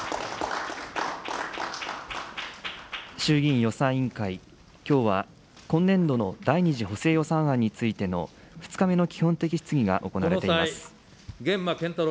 衆議院予算委員会、きょうは今年度の第２次補正予算案についての２日目の基本的質疑が行われています。